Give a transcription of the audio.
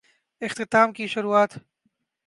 اختتام کی شروعات؟